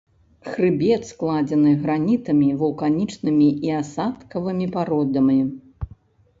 Хрыбет складзены гранітамі, вулканічнымі і асадкавымі пародамі.